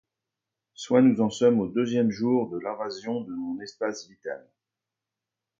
Soit nous en sommes au deuxième jour de l’invasion de mon espace vital.